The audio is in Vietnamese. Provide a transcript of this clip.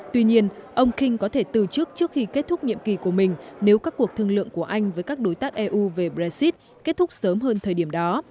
tuy nhiên ông king có thể từ chức trước khi kết thúc nhiệm kỳ của mình nếu các cuộc thương lượng của anh với các đối tác eu về brexit kết thúc sớm hơn thời điểm đó